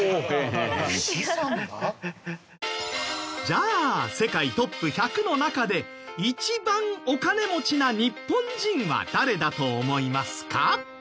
じゃあ世界トップ１００の中で一番お金持ちな日本人は誰だと思いますか？